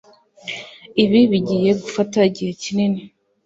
Ibi bigiye gufata igihe ki nini